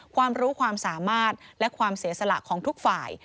ความรู้ความสามารถและความเสียสละของทุกฝ่าย